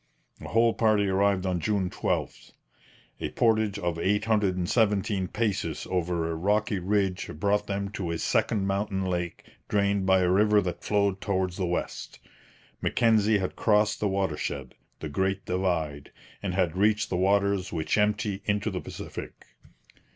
The whole party arrived on June 12. A portage of 817 paces over a rocky ridge brought them to a second mountain lake drained by a river that flowed towards the west. Mackenzie had crossed the watershed, the Great Divide, and had reached the waters which empty into the Pacific.